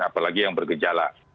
apalagi yang bergejala